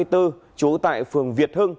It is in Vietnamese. trú tại phường việt hưng